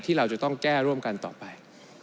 เราจะต้องแก้ร่วมกันต่อไป